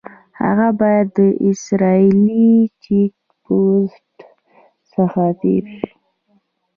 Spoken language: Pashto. هغه باید د اسرائیلي چیک پوسټ څخه تېر شي.